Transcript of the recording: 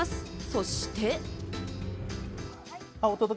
そして。